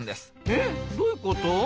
えどういうこと？